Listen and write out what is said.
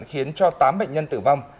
khiến cho tám bệnh nhân tử vong